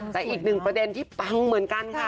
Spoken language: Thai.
แต่อีกหนึ่งประเด็นที่ปังเหมือนกันค่ะ